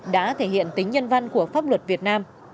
đã thể hiện tính nhân văn của pháp luật việt nam